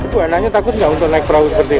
bu ananya takut enggak untuk naik perahu seperti ini